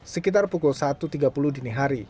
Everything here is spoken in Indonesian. sekitar pukul satu tiga puluh dini hari